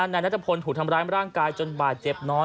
นายนัทพลถูกทำร้ายร่างกายจนบาดเจ็บน้อย